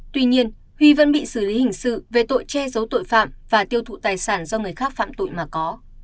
tuy nhiên huy vẫn bị xử lý hình sự về tội che giấu tội phạm và tiêu thụ tài sản do người khác phạm tội mà có